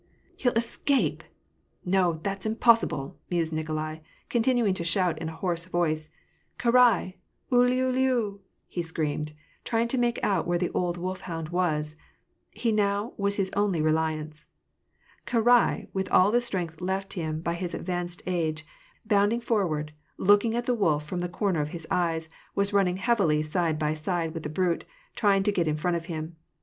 '' He'll escape ! No, that's impossible I " mused Nikolai, continuing to shout in a hoarse voice, —" Karai ! Uliuliu I " he screamed, trying to make out where the old wolf hound was ; he was now his only reliance. Karai, with all the strength left him by his advanced age, bounding forward, looking at the wolf from the corner of his eyes, was running heavily side by side with the brute, trying to get in front of him.